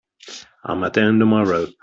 I'm at the end of my rope.